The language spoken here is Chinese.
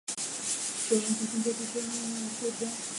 九龙及新界地区电力供应中断数天。